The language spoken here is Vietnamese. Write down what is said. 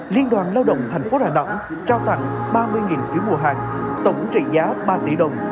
liên đoàn lao động tp đà nẵng trao tặng ba mươi phiếu mua hàng tổng trị giá ba tỷ đồng